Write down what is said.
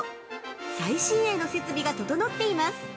最新鋭の設備が整っています！